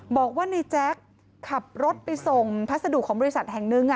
บอกว่าในแจ๊คขับรถไปส่งพัสดุของบริษัทแห่งหนึ่ง